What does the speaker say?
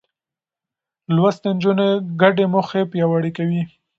لوستې نجونې ګډې موخې پياوړې کوي.